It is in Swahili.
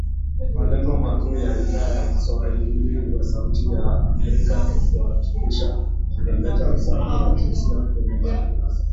Malengo makuu ya Idhaa ya kiswahili ya Sauti ya Amerika ni kuhakikisha tuna leta usawa wa jinsia kwenye matangazo